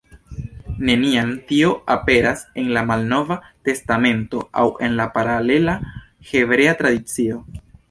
Neniam tio aperas en la Malnova Testamento aŭ en la paralela hebrea tradicio.